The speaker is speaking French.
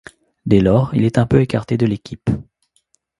Dès lors, il est un peu écarté de l'équipe.